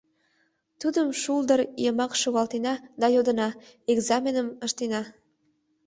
Тудым шулдыр йымак шогалтена да йодына: «Экзаменым ыштена.